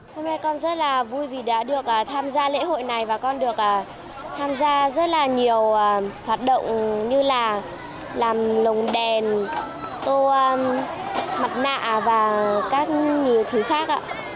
hôm nay con rất là vui vì đã được tham gia lễ hội này và con được tham gia rất là nhiều hoạt động như là làm lồng đèn tô mặt nạ và các lứa thú khác ạ